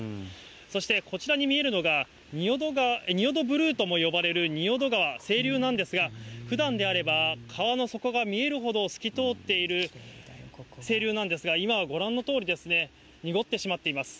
そしてこちらに見えるのが、仁淀ブルーとも呼ばれる仁淀川、清流なんですが、ふだんであれば、川の底が見えるほど透き通っている清流なんですが、今はご覧のとおり、濁ってしまっています。